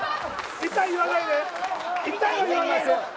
痛いは言わないで！